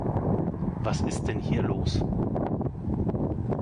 Was ist denn hier los?